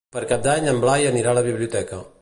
Per Cap d'Any en Blai anirà a la biblioteca.